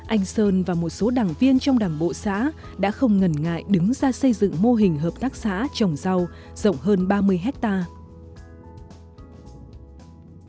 anh sơn và một số đảng viên trong đảng bộ xã đã không ngần ngại đứng ra xây dựng mô hình hợp tác xã trồng rau rộng hơn ba mươi hectare